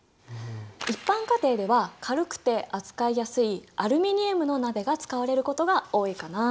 一般家庭では軽くて扱いやすいアルミニウムの鍋が使われることが多いかな。